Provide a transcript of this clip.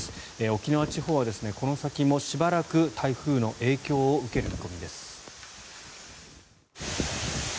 沖縄地方はこの先もしばらく台風の影響を受ける見込みです。